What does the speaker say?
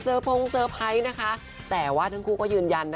เออไม่นะคะหนูว่าเขาก็รู้ว่าพี่เขาชิว